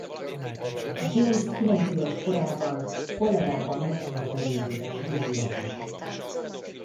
James kilencéves korában kolerában meghalt a négyéves William.